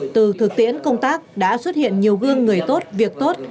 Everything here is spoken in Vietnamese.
từ thực tiễn công tác đã xuất hiện nhiều gương người tốt việc tốt